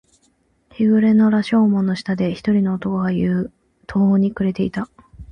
日暮れの羅生門の下で、一人の男が途方に暮れていた。